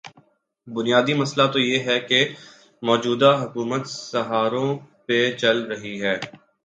بنیادی مسئلہ تو یہ ہے کہ موجودہ حکومت سہاروں پہ چل رہی ہے۔